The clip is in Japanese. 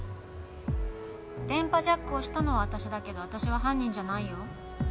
電波ジャックをしたのは私だけど私は犯人じゃないよ